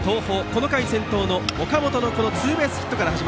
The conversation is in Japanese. この回、先頭の岡本のツーベースヒットから。